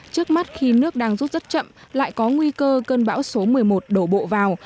trước mắt khi nước đang rút rất chậm lại có nguy cơ cơn bão số một mươi một đổ bộ vào